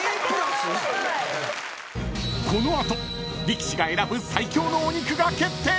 ［力士が選ぶ最強のお肉が決定］